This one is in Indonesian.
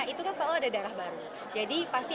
itu kan selalu ada darah baru jadi pasti